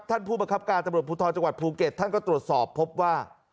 ผู้บังคับการตำรวจภูทรจังหวัดภูเก็ตท่านก็ตรวจสอบพบว่า